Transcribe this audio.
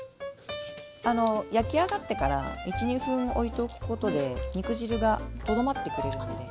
あの焼き上がってから１２分おいておくことで肉汁がとどまってくれるので。